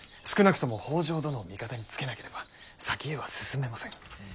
少なくとも北条殿を味方につけなければ先へは進めません。